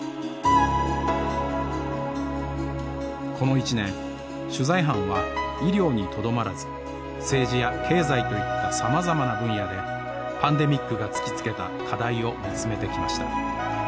この１年取材班は医療にとどまらず政治や経済といったさまざまな分野でパンデミックが突きつけた課題を見つめてきました。